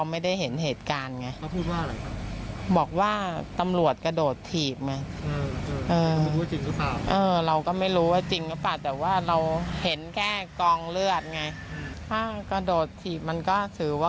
ผมก็ถือว่าเกินไปอ่ะนะ